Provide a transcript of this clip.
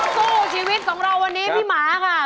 สู้ชีวิตของเราวันนี้พี่หมาค่ะ